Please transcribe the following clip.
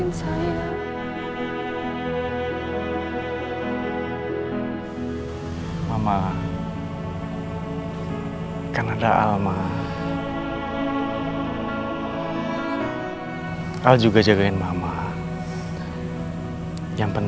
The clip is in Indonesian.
dan kamu juga akan selalu ada di dalam hatiku